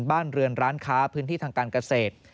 บ้านเรือนร้านค้าพื้นที่ทางการเกษตร